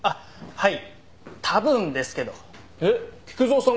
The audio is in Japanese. はい。